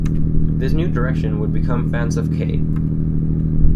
This new direction would become Fans of Kate.